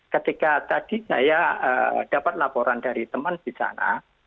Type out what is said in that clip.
ketika tadi saya dapat laporan dari teman di sana